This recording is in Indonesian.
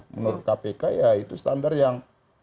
menurut kpk ya itu standar yang